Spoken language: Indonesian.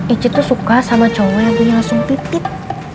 eci tuh suka sama cowok yang punya langsung titik